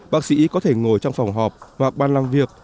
bác sĩ có thể ngồi trong phòng họp hoặc ban làm việc